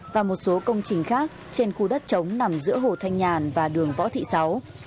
và một số công trình khác trên khu đất trống nằm giữa hồ thanh nhàn và đường võ thị sáu